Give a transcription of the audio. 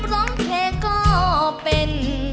ร้องเพลงก็เป็น